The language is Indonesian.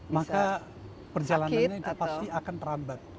maka perjalanannya itu pasti akan terambat